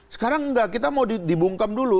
sekarang enggak kita mau dibungkam dulu